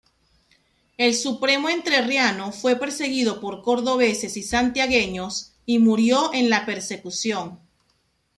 El Supremo Entrerriano fue perseguido por cordobeses y santiagueños, y murió en la persecución.